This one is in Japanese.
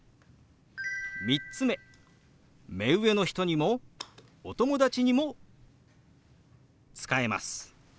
３つ目目上の人にもお友達にも使えます。